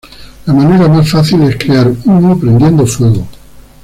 La manera más fácil es crear humo prendiendo fuego.